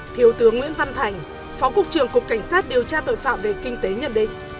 thiếu tướng nguyễn văn thành phó cục trưởng cục cảnh sát điều tra tội phạm về kinh tế nhận định